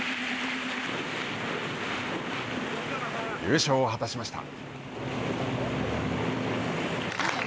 優勝を果たしました。